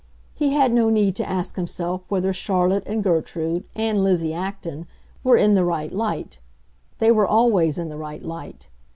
He had no need to ask himself whether Charlotte and Gertrude, and Lizzie Acton, were in the right light; they were always in the right light.